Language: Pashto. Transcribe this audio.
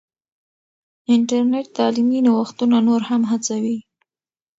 انټرنیټ تعلیمي نوښتونه نور هم هڅوي.